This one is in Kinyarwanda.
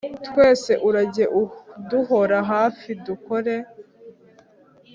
twese, urajye uduhora hafi, dukore